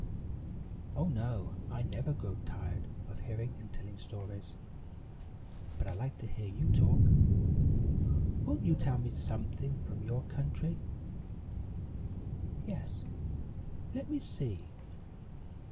"Oh, no, I never grow tired of hearing and telling stories; but I like to hear you talk. Won't you tell me something from your country?" "Yes let me see.